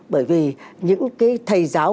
bởi vì những cái thầy giáo